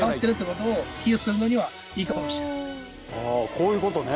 こういうことね。